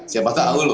siapa tahu loh